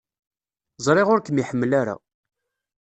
Ẓriɣ ur kem-iḥemmel ara.